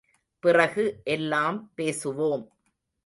பிறகு எல்லாம் பேசுவோம்.